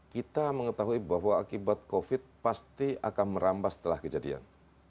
kita mengetahui bahwa akibat covid pasti akan merambah setelah kejadian